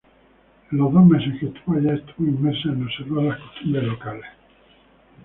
En los dos meses que estuvo allá, estuvo inmersa en observar las costumbres locales.